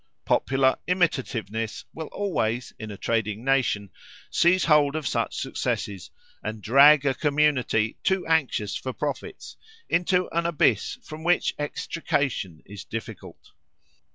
Popular imitativeness will always, in a trading nation, seize hold of such successes, and drag a community too anxious for profits into an abyss from which extrication is difficult.